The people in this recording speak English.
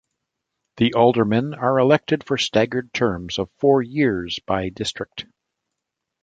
The aldermen are elected for staggered terms of four years by district.